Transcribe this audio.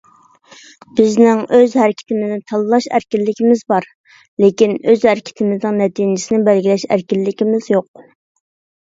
بىزنىڭ ئۆز ھەرىكىتىمىزنى تاللاش ئەركىنلىكىمىز بار، لېكىن ئۆز ھەرىكىتىمىزنىڭ نەتىجىسىنى بەلگىلەش ئەركىنلىكىمىز يوق.